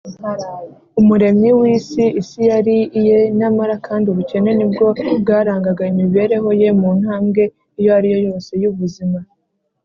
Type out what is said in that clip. Umuremyi w’isi, isi yari iye, nyamara kandi ubukene nibwo bwarangaga imibereho Ye mu ntambwe iyo ariyo yose y’ubuzima.